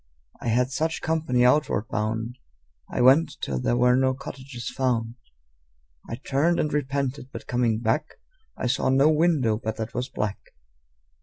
I had such company outward bound. I went till there were no cottages found. I turned and repented, but coming back I saw no window but that was black.